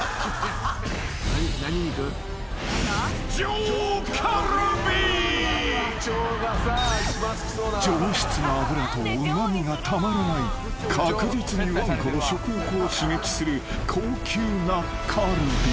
［上質な脂とうま味がたまらない確実にわんこの食欲を刺激する高級なカルビ］